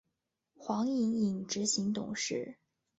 黄影影执行董事。